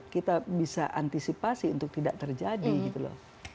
kita bisa antisipasi untuk tidak terjadi gitu loh